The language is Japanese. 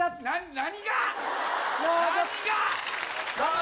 何が？